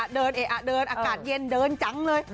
เออะเดินอากาศเย็นเดินจังเลย